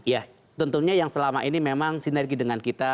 ya tentunya yang selama ini memang sinergi dengan kita